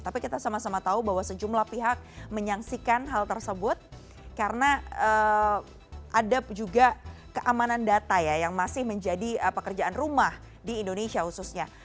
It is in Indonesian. tapi kita sama sama tahu bahwa sejumlah pihak menyaksikan hal tersebut karena ada juga keamanan data ya yang masih menjadi pekerjaan rumah di indonesia khususnya